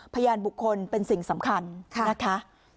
พยานบุคคลเป็นสิ่งสำคัญนะคะ